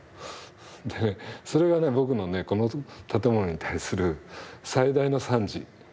でそれがね僕のねこの建物に対する最大の賛辞。